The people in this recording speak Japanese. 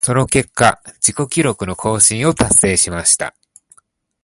その結果、自己記録の更新を達成しました。